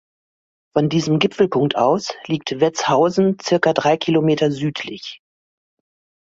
Von diesem Gipfelpunkt aus liegt Wetzhausen circa drei Kilometer südlich.